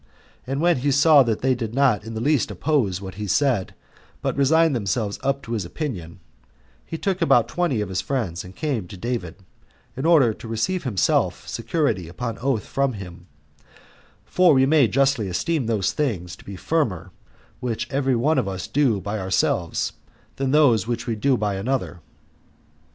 And when he saw that they did not in the least oppose what he said, but resigned themselves up to his opinion, he took about twenty of his friends and came to David, in order to receive himself security upon oath from him; for we may justly esteem those things to be firmer which every one of us do by ourselves, than those which we do by another.